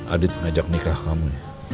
adit ngajak nikah kamu